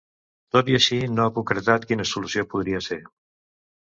Tot i així, no ha concretat quina solució podria ser.